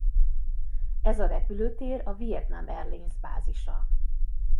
Ez a repülőtér a Vietnam Airlines bázisa.